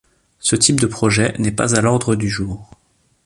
Ce type de projet n'est pas à l'ordre du jour.